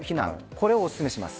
これをおすすめします。